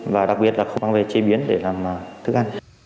và đặc biệt là không mang về chế biến để làm thức ăn